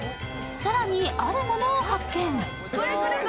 更に、あるものを発見。